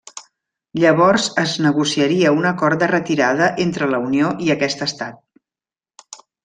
Llavors es negociaria un acord de retirada entre la Unió i aquest Estat.